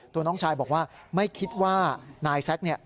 ตัวน้องชายบอกว่าไม่คิดว่านายแซค